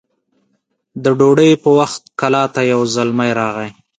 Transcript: د ډوډۍ په وخت کلا ته يو زلمی راغی